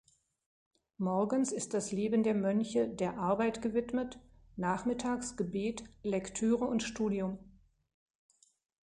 Morgens ist das Leben der Mönche der Arbeit gewidmet, nachmittags Gebet, Lektüre und Studium.